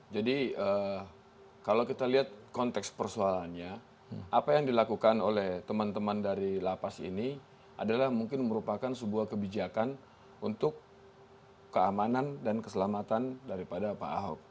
jadi kalau kita lihat konteks persoalannya apa yang dilakukan oleh teman teman dari lapas ini adalah mungkin merupakan sebuah kebijakan untuk keamanan dan keselamatan daripada pak ahok